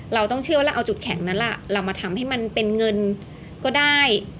เราต้องเชื่อว่าเราเอาจุดแข็งนั้นล่ะเรามาทำให้มันเป็นเงินก็ได้